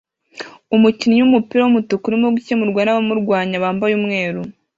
Umukinnyi wumupira wumutuku urimo gukemurwa nabamurwanya bambaye umweru